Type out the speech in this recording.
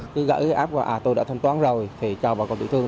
cứ gửi cái app và à tôi đã thanh toán rồi thì cho bà con tiểu thương